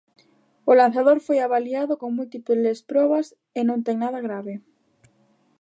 O lanzador foi avaliado con múltiples probas e non ten nada grave.